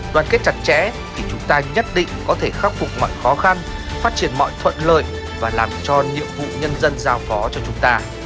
đoàn kết chặt chẽ thì chúng ta nhất định có thể khắc phục mọi khó khăn phát triển mọi thuận lợi và làm cho nhiệm vụ nhân dân giao phó cho chúng ta